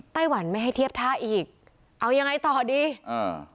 ไต้หวันไม่ให้เทียบท่าอีกเอายังไงต่อดีอ่า